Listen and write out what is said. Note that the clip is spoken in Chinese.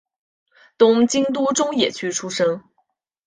东京都中野区出生。